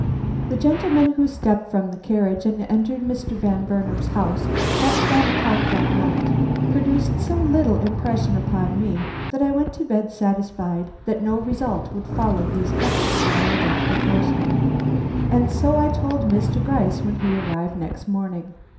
The gentleman who stepped from the carriage and entered Mr. Van Burnam's house at twelve o'clock that night produced so little impression upon me that I went to bed satisfied that no result would follow these efforts at identification. And so I told Mr. Gryce when he arrived next morning.